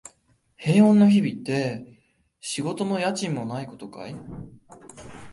平穏な日々って、仕事も家賃もないことかい？